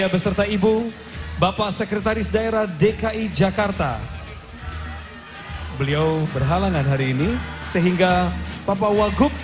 beserta ibu bapak sekretaris daerah dki jakarta beliau berhalangan hari ini sehingga bapak wagub